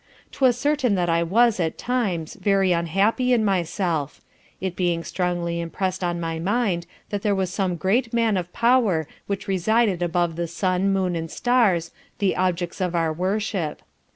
'Twas certain that I was, at times, very unhappy in myself: it being strongly impressed on my mind that there was some Great Man of power which resided above the sun, moon and stars, the objects of our worship.